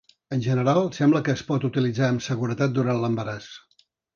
En general, sembla que es pot utilitzar amb seguretat durant l'embaràs.